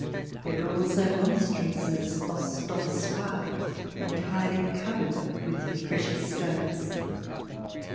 There were also monstrances (ostensoirs) entirely covered with precious stones.